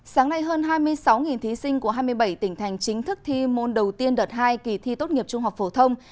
sáng nay hơn hai mươi sáu thí sinh của hai mươi bảy tỉnh thành chính thức thi môn đầu tiên đợt hai kỳ thi tốt nghiệp trung học phổ thông